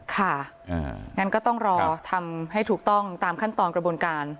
ค่ะงั้นก็ต้องรอทำให้ถูกต้องตามขั้นตอนกระบวนการ